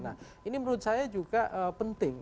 nah ini menurut saya juga penting